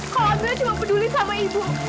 kalau anda cuma peduli sama ibu